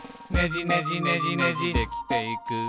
「ねじねじねじねじできていく」